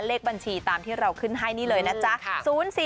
เลขบัญชีตามที่เราขึ้นให้นี่เลยนะจ๊ะ